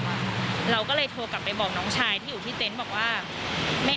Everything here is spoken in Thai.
เราก็เลยโทรกลับไปบอกน้องชายที่อยู่ที่เต็นต์บอกว่าไม่